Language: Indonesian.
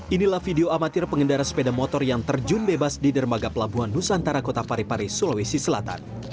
inilah video amatir pengendara sepeda motor yang terjun bebas di dermaga pelabuhan nusantara kota parepare sulawesi selatan